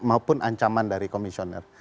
maupun ancaman dari komisioner